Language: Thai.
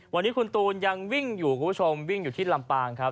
วันนี้คุณตูนยังวิ่งอยู่คุณผู้ชมวิ่งอยู่ที่ลำปางครับ